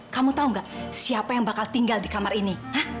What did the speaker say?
kamu tahu nggak siapa yang bakal tinggal di kamar ini